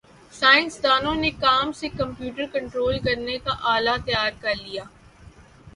سائنسدانوں نے کام سے کمپیوٹر کنٹرول کرنے کا آلہ تیار کرلیا